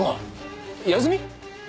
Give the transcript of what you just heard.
休み？